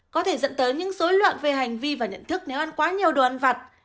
có thể dẫn tới những dối loạn về hành vi và nhận thức nếu ăn quá nhiều đồ ăn vặt